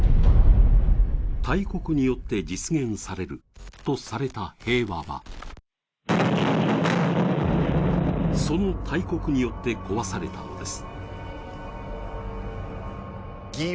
大国によって実現されるとされた平和はその大国によって壊されたのです。